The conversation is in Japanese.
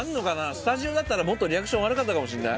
スタジオだったらもっと、リアクション悪かったかもしれない。